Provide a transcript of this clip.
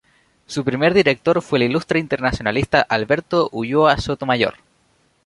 Su primer Director fue el ilustre internacionalista Alberto Ulloa Sotomayor.